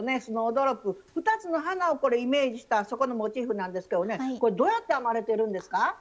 スノードロップ２つの花をこれイメージした底のモチーフなんですけどねこれどうやって編まれてるんですか？